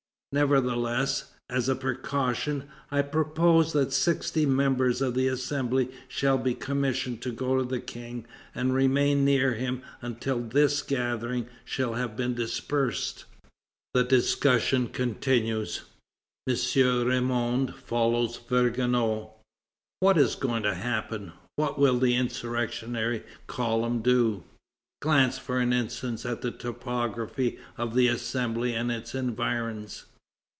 Nevertheless, as a precaution, I propose that sixty members of the Assembly shall be commissioned to go to the King and remain near him until this gathering shall have been dispersed." The discussion continues. M. Ramond follows Vergniaud. What is going to happen? What will the insurrectionary column do? Glance for an instant at the topography of the Assembly and its environs.